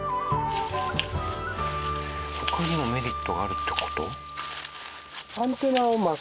他にもメリットがあるって事？